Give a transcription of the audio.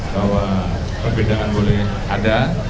bahwa perbedaan boleh ada